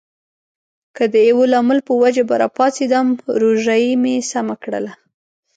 که د یوه لامل په وجه به راپاڅېدم، روژایې مې سمه کړله.